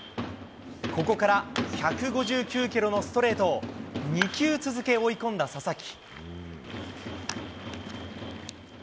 ここから１５９キロのストレートを、２球続け、追い込んだ佐々木。